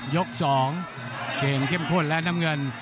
ยก๒เกมข้นแล้วน้ำเงิน